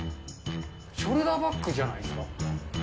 ショルダーバッグじゃないですか。